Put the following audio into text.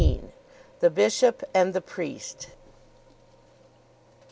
THE BISHOP AND THE PRIEST.